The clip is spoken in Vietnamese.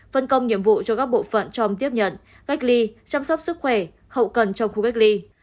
phân công nhiệm vụ cho các bộ phận trong tiếp nhận cách ly chăm sóc sức khỏe hậu cần trong khu cách ly